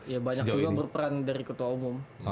ya banyak juga yang berperan dari ketua umum